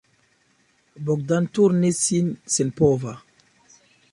Bogdan turnis sin senpova.